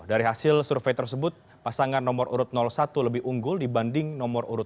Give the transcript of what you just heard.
dari hasil survei tersebut pasangan nomor urut satu lebih unggul dibanding nomor urut tiga